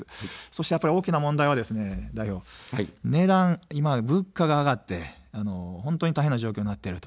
そして大きな問題は代表、値段、物価が上がって、大変な状況になっている。